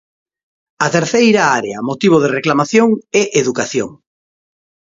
A terceira área motivo de reclamación é educación.